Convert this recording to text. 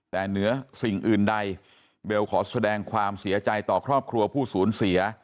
แต่เหนือสิ่งอื่นใดเบลขอแสดงความเสียใจต่อครอบครัวผู้สูญเสีย